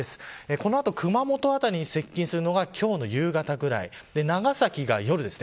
この後、熊本辺りに接近するのが今日の夕方くらい長崎が夜です。